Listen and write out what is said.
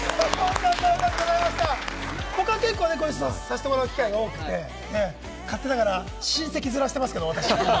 僕は結構ご一緒させてもらう機会もね、勝手ながら親戚ヅラしてますけど。